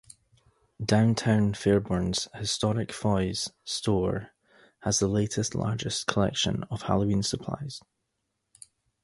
Downtown Fairborn's historic Foy's store has the state's largest collection of Halloween supplies.